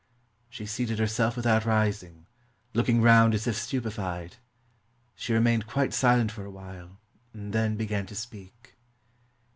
She seated herself without rising, looking round as if stupefied. She remained quite silent for a while, and then began to speak.